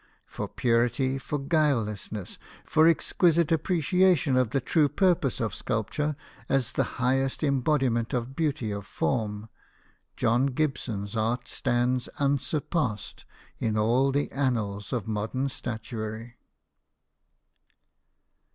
For purity, for guilelessness, for exquisite appreciation of the true purpose of sculpture as the highest embodiment of beauty of form, John Gibson's art stands unsurpassed in all the annals of modern statuary.